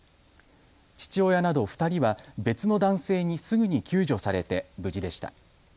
父親など２人は別の男性にすぐに救助されて無事でした。